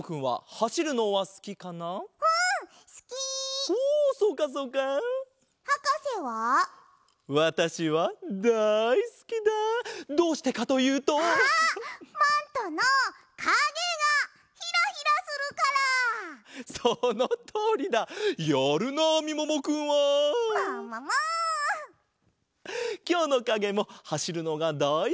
きょうのかげもはしるのがだいすきなかげだぞ。